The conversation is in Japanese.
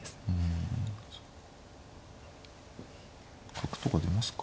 角とか出ますか。